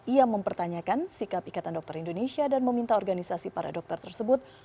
ia mempertanyakan sikap ikatan dokter indonesia dan meminta organisasi para dokter tersebut